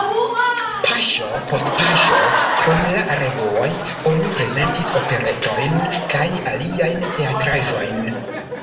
Paŝo post paŝo krom la revuoj oni prezentis operetojn kaj aliajn teatraĵojn.